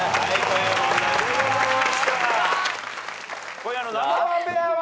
今夜のナンバーワンペアは！